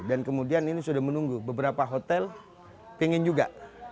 dan kemudian ini sudah menunggu beberapa hotel pingin juga